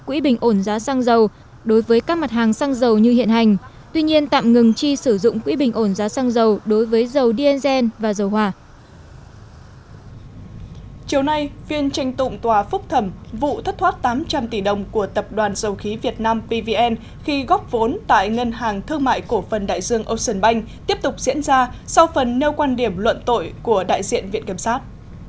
chiều nay viên tranh tụng tòa phúc thẩm vụ thất thoát tám trăm linh tỷ đồng của tập đoàn dầu khí việt nam pvn khi góp vốn tại ngân hàng thương mại cổ phần đại dương ocean bank tiếp tục diễn ra sau phần nêu quan điểm luận tội của đại diện viện kiểm sát